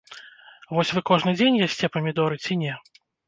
Вось вы кожны дзень ясце памідоры ці не?